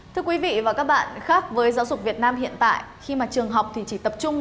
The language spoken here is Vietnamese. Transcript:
thưa quý vị và các bạn khác với giáo dục việt nam hiện tại khi mà trường học thì chỉ tập trung